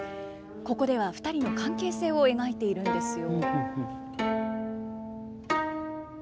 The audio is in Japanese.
ここでは２人の関係性を描いているんですよ。